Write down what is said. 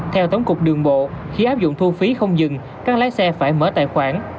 theo tổng cục đường bộ khi áp dụng thu phí không dừng các lái xe phải mở tài khoản